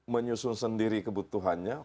menyusun sendiri kebutuhannya